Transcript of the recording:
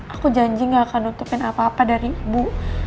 aku janji gak akan nutupin apa apa dari ibu